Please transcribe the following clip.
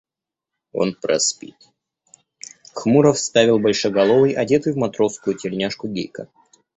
– Он проспит, – хмуро вставил большеголовый, одетый в матросскую тельняшку Гейка.